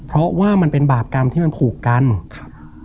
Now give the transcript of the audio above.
เพราะว่ามันเป็นบาปกรรมที่มันผูกกันครับ